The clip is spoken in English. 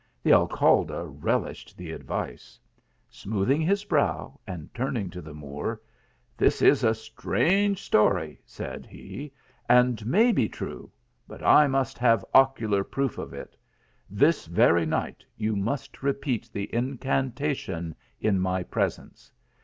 The Alcalde relished the advice. Smoothing his brow and turning to the Moor, " This is a strange story," said he, "and may be true, but I must have ocular proof of it. This very night you must repeat the incantation in my presence.